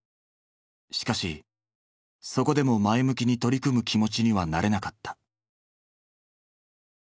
しかしそこでも前向きに取り組む気持ちにはなれなかった。